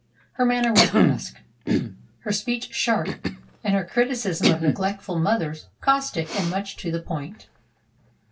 Her manner was brusque, her speech sharp, and her criticism of neglectful mothers caustic and much to the point.